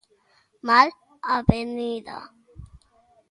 Mal Avenida.